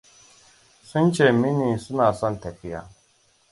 Sun ce mini suna son tafiya.